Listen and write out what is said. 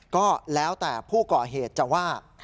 ก็แล้วแต่ผู้ก่อเหตุจะว่า